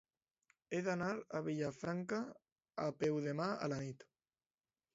He d'anar a Vilafranca a peu demà a la nit.